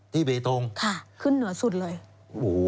ที่เบตรงค่ะขึ้นเหนือสุดเลยที่เบตรงลงจากใต้ก่อน